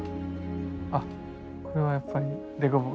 あっこれはやっぱりデコボコ。